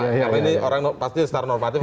karena ini orang pasti setara normatif